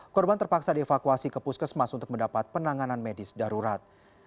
korban terpaksa dievakuasi ke puskesmas untuk mendapat penanganan medis darurat